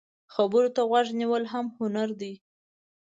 خبرو ته غوږ نیول هم هنر دی